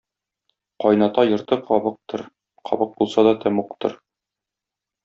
кайната йорты кабыктыр - кабык булса да тәмугтыр.